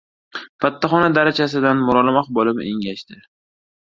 Pattaxona darichasidan mo‘ralamoq bo‘lib engashdi.